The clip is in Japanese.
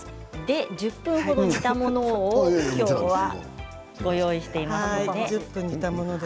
１０分程、煮たものを今日はご用意しています。